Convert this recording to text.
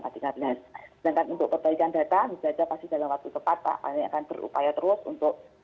sedangkan untuk perbaikan data tentu saja pasti dalam waktu cepat pak kami akan berupaya terus untuk